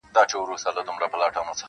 شاوخوا یې بیا پر قبر ماجر جوړ کئ,